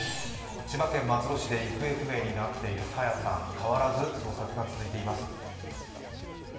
千葉県松戸市で行方不明になっている朝芽さん変わらず捜索が続いています。